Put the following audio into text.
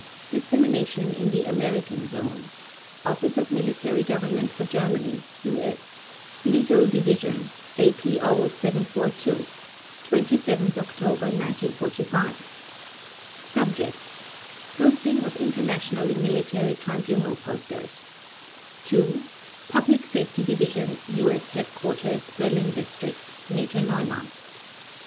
Dissemination in the American Zone OFFICE OF MILITARY GOVERNMENT FOR GERMANY (U.S.) Legal Division APO 742 27 October 1945 SUBJECT : Posting of International Military Tribunal Posters. TO : Public Safety Division, U.S. Headquarters, Berlin District (Major Neumann).